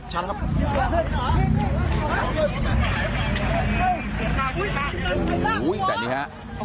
โห้ยแต่นี้ฮะ